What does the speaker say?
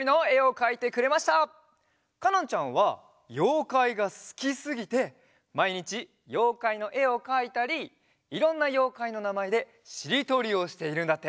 かのんちゃんはようかいがすきすぎてまいにちようかいのえをかいたりいろんなようかいのなまえでしりとりをしているんだって。